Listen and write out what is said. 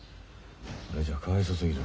これじゃかわいそうすぎる。